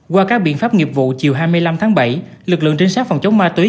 qua các biện pháp nghiệp vụ chiều hai mươi năm tháng bảy lực lượng trinh sát phòng chống ma túy